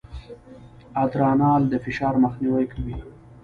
ادرانال د فشار مخنیوی کوي.